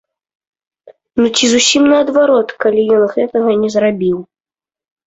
Ну ці зусім наадварот, калі ён гэтага не зрабіў.